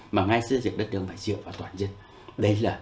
mà ngay xây dựng đất đường phải dựa vào toàn dân